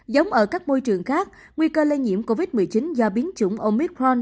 giống ở các môi trường khác nguy cơ lây nhiễm covid một mươi chín do biến chủng omicron